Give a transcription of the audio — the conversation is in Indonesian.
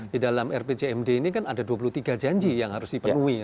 di dalam rpcmd ini kan ada dua puluh tiga janji yang harus dipenuhi